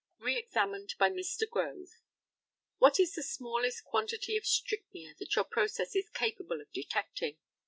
Re examined by Mr. GROVE: What is the smallest quantity of strychnia that your process is capable of detecting?